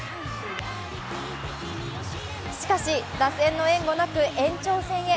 しかし打線の援護なく延長戦へ。